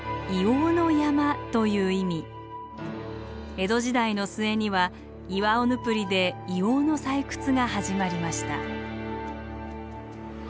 江戸時代の末にはイワオヌプリで硫黄の採掘が始まりました。